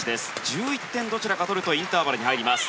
１１点どちらか取るとインターバルに入ります。